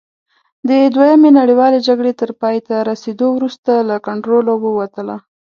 د دویمې نړیوالې جګړې تر پایته رسېدو وروسته له کنټروله ووتله.